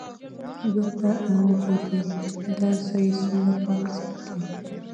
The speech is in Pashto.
بیا به وګورئ دا ځای څومره پاک ساتي.